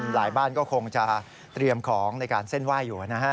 หลายบ้านก็คงจะเตรียมของในการเส้นไหว้อยู่นะฮะ